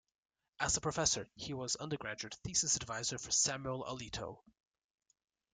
As a professor, he was undergraduate thesis advisor for Samuel Alito.